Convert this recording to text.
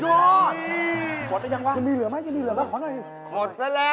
หมดแล้วยังหรือเปล่ามีเหลือหรือเปล่าขอให้ดิ